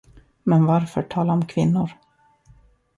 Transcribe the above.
Men varför tala om kvinnor?